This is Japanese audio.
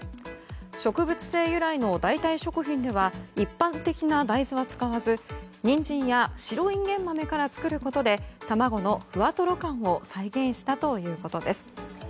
植物性由来の代替食品では一般的な大豆は使わずニンジンや白インゲン豆から作ることで卵のふわとろ感を再現したということです。